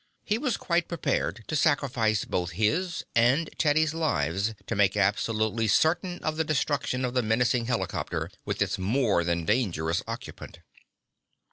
He was quite prepared to sacrifice both his and Teddy's lives to make absolutely certain of the destruction of the menacing helicopter with its more than dangerous occupant.